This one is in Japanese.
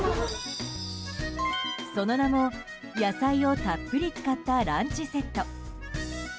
その名も、野菜をたっぷり使ったランチセット。